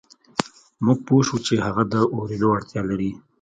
موږ پوه شوو چې هغه د اورېدو وړتیا لري